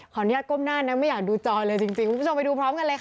อนุญาตก้มหน้านะไม่อยากดูจอเลยจริงคุณผู้ชมไปดูพร้อมกันเลยค่ะ